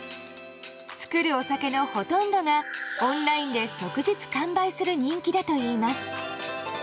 造るお酒のほとんどがオンラインで即日完売する人気だといいます。